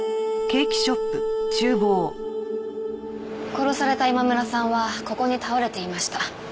殺された今村さんはここに倒れていました。